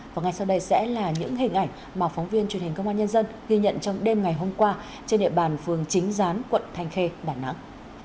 và ngay sau đây sẽ là những hình ảnh mà phóng viên truyền hình công an nhân dân ghi nhận trong đêm ngày hôm qua trên địa bàn phường chính gián quận thanh khê đà nẵng